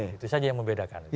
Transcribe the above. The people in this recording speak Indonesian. itu saja yang membedakan